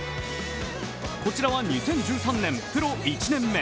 こちらは２０１３年、プロ１年目。